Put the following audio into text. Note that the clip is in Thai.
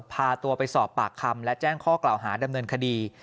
พาตัวไปสอบปากคำและแจ้งข้อกล่าวหาดำเนินคดี